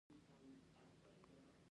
هغه د پرېکړې نیولو اصلي کانون دی.